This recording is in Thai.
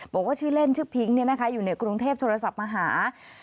บอกว่าชื่อเล่นชื่อพิ้งอยู่ในกรุงเทพโทรศัพท์มาหา